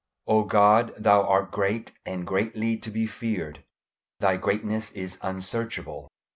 O God, Thou art great and greatly to be feared. Thy greatness is unsearchable.